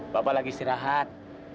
bapak lagi istirahat